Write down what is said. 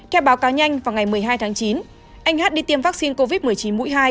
theo báo cáo nhanh vào ngày một mươi hai tháng chín anh hát đi tiêm vaccine covid một mươi chín mũi hai